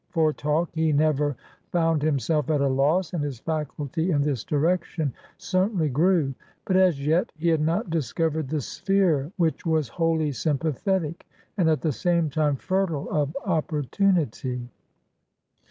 For talk he never found himself at a loss, and his faculty in this direction certainly grew. But as yet he had not discovered the sphere which was wholly sympathetic and at the same time fertile of opportunity.